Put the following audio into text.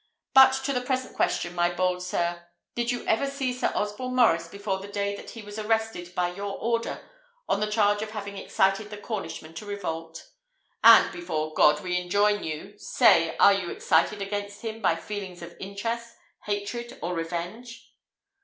But to the present question, my bold sir. Did you ever see Sir Osborne Maurice before the day that he was arrested by your order, on the charge of having excited the Cornishmen to revolt? And, before God, we enjoin you say, are you excited against him by feelings of interest, hatred, or revenge?"